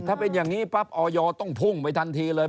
ถ้าเป็นอย่างนี้ปั๊บออยต้องพุ่งไปทันทีเลย